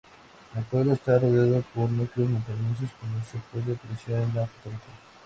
El pueblo está rodeado por núcleos montañosos, como se puede apreciar en la fotografía.